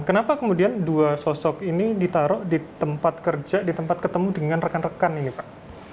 kenapa kemudian dua sosok ini ditaruh di tempat kerja di tempat ketemu dengan rekan rekan ini pak